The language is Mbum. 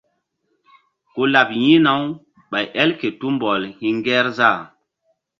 Ku laɓ yi̧hna-u ɓay el ke tumbɔl hi̧ŋgerzah.